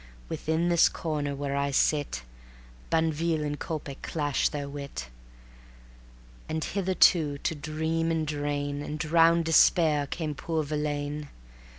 Within this corner where I sit Banville and Coppée clashed their wit; And hither too, to dream and drain, And drown despair, came poor Verlaine.